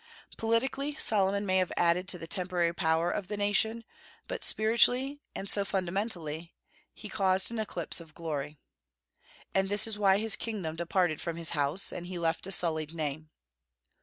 Politically, Solomon may have added to the temporary power of the nation, but spiritually, and so fundamentally, he caused an eclipse of glory. And this is why his kingdom departed from his house, and he left a sullied name.